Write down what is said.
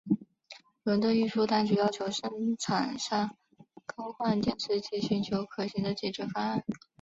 伦敦运输当局要求生产商更换电池及寻求可行的解决方案。